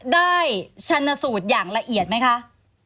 ชันสูตรอย่างละเอียดไหมคะ